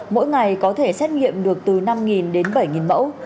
mỗi ngày có thể xét nghiệm được từ năm đến bảy mẫu